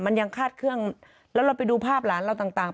มันยังคาดเครื่องแล้วเราไปดูภาพหลานเราต่าง